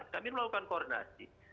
kami melakukan koordinasi